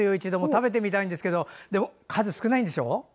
食べてみたいんですけどでも、数少ないんでしょう？